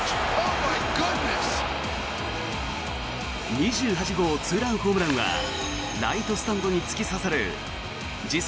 ２８号ツーランホームランはライトスタンドに突き刺さる時速